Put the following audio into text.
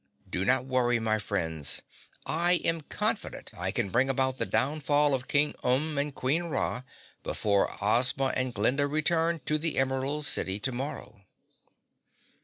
Do not worry, my friends. I am confident I can bring about the downfall of King Umb and Queen Ra before Ozma and Glinda return to the Emerald City tomorrow."